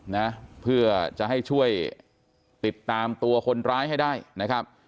นะเพื่อจะให้ช่วยติดตามตัวคนร้ายให้ได้นะครับ